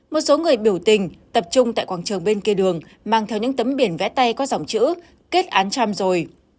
một số người biểu tình tập trung tại quảng trường bên kia đường mang theo những tấm biển vẽ tay có dòng chữ kết án trăm rồi